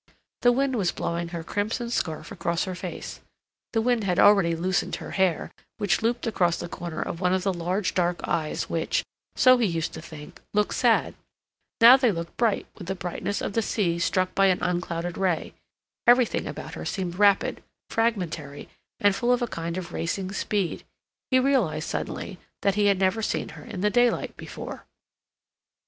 The wind was blowing her crimson scarf across her face; the wind had already loosened her hair, which looped across the corner of one of the large, dark eyes which, so he used to think, looked sad; now they looked bright with the brightness of the sea struck by an unclouded ray; everything about her seemed rapid, fragmentary, and full of a kind of racing speed. He realized suddenly that he had never seen her in the daylight before.